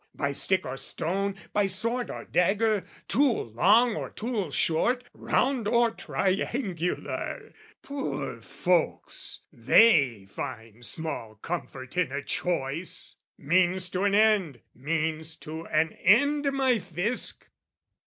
By stick or stone, by sword or dagger, tool Long or tool short, round or triangular Poor folks, they find small comfort in a choice! Means to an end, means to an end, my Fisc!